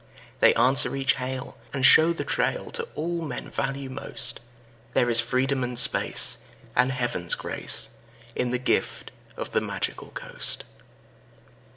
They answer each hail and show the trail To all men value most. There is freedom and space and Heaven's grace In the gift of the Magical Coast.